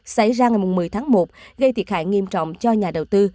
xảy ra ngày một mươi tháng một gây thiệt hại nghiêm trọng cho nhà đầu tư